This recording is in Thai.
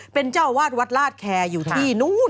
เป็นฐานวัดลาสแคระอยู่ที่นู่น